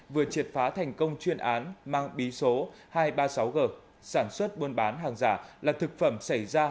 vừa triệt phá thành công chuyên án mang bí số hai trăm ba mươi sáu g sản xuất buôn bán hàng giả là thực phẩm xảy ra